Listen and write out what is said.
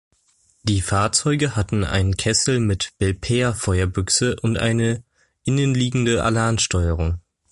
Die Fahrzeuge hatten einen Kessel mit "Belpaire"-Feuerbüchse und eine innenliegende Allan-Steuerung.